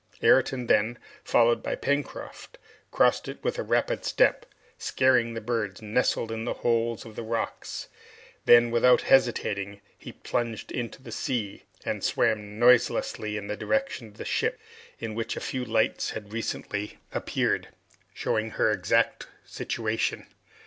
Ayrton then, followed by Pencroft, crossed it with a rapid step, scaring the birds nestled in the holes of the rocks; then, without hesitating, he plunged into the sea, and swam noiselessly in the direction of the ship, in which a few lights had recently appeared, showing her exact situation.